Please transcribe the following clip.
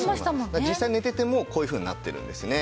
実際寝ててもこういうふうになってるんですね。